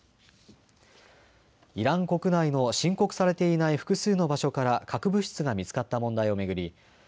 イラン国内の申告されていない複数の場所から核物質が見つかった問題を巡り